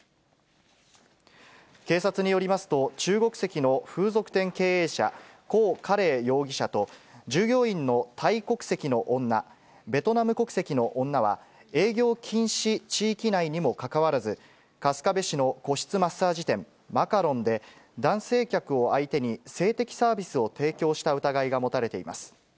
警察によりますと、中国籍の風俗店経営者、高佳麗容疑者と、従業員のタイ国籍の女、ベトナム国籍の女は、営業禁止地域内にもかかわらず、春日部市の個室マッサージ店、マカロンで、男性客を相手に性的サービスを提供した疑いが持たれています。